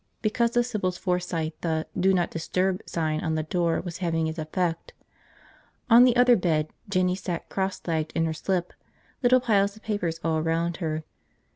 Because of Sybil's foresight, the "Do Not Disturb!" sign on the door was having its effect. On the other bed, Jinny sat crosslegged in her slip, little piles of papers all around her.